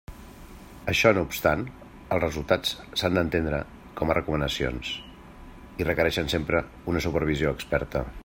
Això no obstant, els resultats s'han d'entendre com a recomanacions, i requereixen sempre una supervisió experta.